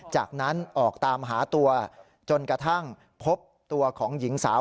จากนั้นออกตามหาตัวจนกระทั่งพบตัวของหญิงสาว